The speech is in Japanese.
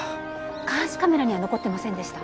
監視カメラには残ってませんでした？